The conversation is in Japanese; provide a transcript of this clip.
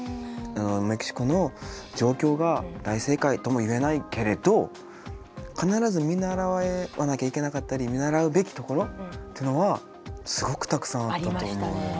メキシコの状況が大正解とも言えないけれど必ず見習わなきゃいけなかったり見習うべきところっていうのはすごくたくさんあったと思うよね。